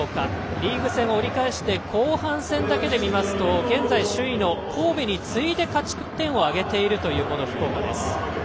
リーグ戦折り返して後半戦だけで見ますと現在、首位の神戸に次いでの勝ち点を挙げている福岡です。